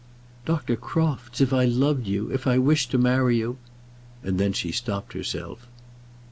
"Dr. Crofts, if I loved you, if I wished to marry you " and then she stopped herself.